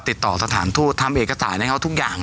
ก็ติดต่อสถานทูตทำเอกสารให้เขาทุกอย่างเลย